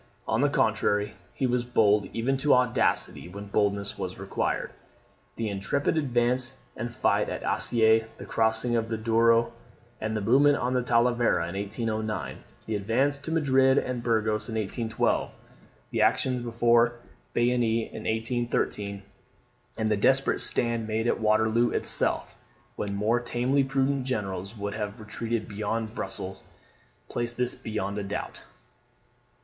On the contrary, he was bold even to audacity when boldness was required. "The intrepid advance and fight at Assaye, the crossing of the Douro, and the movement on Talavera in 1809, the advance to Madrid and Burgos in 1812, the actions before Bayonne in 1813, and the desperate stand made at Waterloo itself, when more tamely prudent generals would have retreated beyond Brussels, place this beyond a doubt."